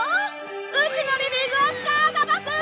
うちのリビングを使うざます！